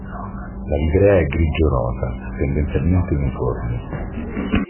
La livrea è grigio-rosa, tendenzialmente uniforme.